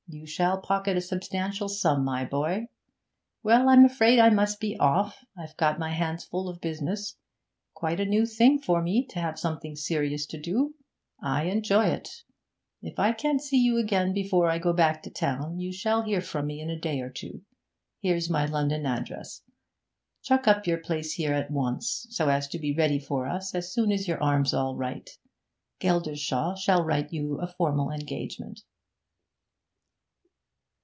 You shall pocket a substantial sum, my boy! Well, I'm afraid I must be off; I've got my hands full of business. Quite a new thing for me to have something serious to do; I enjoy it! If I can't see you again before I go back to town, you shall hear from me in a day or two. Here's my London address. Chuck up your place here at once, so as to be ready for us as soon as your arm's all right. Geldershaw shall write you a formal engagement.'